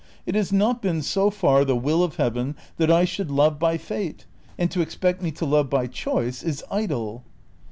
It has not been so far the will of Heaven that I should love by fate, and to ex pect me to love by choice is idle.